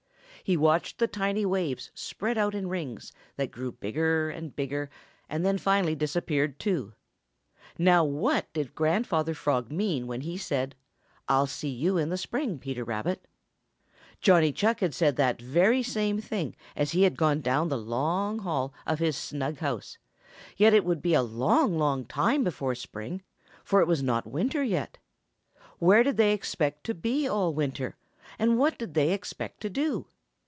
He watched the tiny waves spread out in rings that grew bigger and bigger and then finally disappeared too. Now what did Grandfather Frog mean when he said: "I'll see you in the spring, Peter Rabbit?" Johnny Chuck had said that very same thing as he had gone down the long hall of his snug house, yet it would be a long, long time before spring, for it was not winter yet. Where did they expect to be all winter, and what did they expect to do?